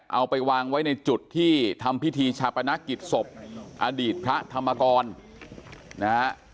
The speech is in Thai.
เอาไปวางไว้ในจุดที่ทำพิธีชาปนกิจศพอดีตพระธรรมกรนะฮะ